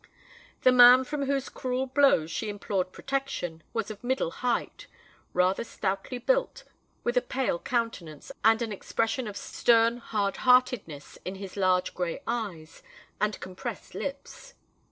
The man from whose cruel blows she implored protection, was of middle height, rather stoutly built, with a pale countenance, and an expression of stern hard heartedness in his large grey eyes and compressed lips.